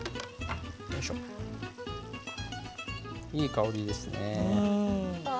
いい香りですね。